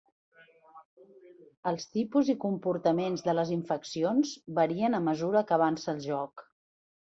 Els tipus i comportaments de les infeccions varien a mesura que avança el joc.